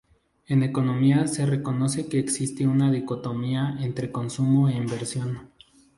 En economía se reconoce que existe una dicotomía entre consumo e inversión.